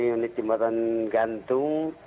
satu unit jembatan gantung